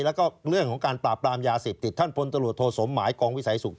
แล้วก็เรื่องของการปราบปรามยาเสพติดท่านพลตรวจโทสมหมายกองวิสัยสุข